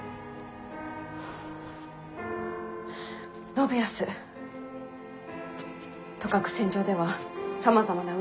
信康とかく戦場ではさまざまなうわさが流れます。